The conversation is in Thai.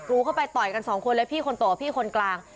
รู้เข้าไปต่อยกันสองคนเลยพี่คนโตกับพี่คนกลาง